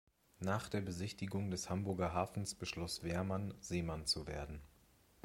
Nach der Besichtigung des Hamburger Hafens beschloss Wehrmann, Seemann zu werden.